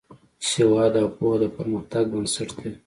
سواد او پوهه د پرمختګ بنسټ دی.